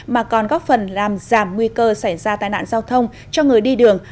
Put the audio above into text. mà còn góp phần làm giảm nguy cơ xảy ra tai nạn giao thông cho người đi đường